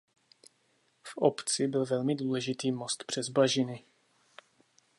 V obci byl velmi důležitý most přes bažiny.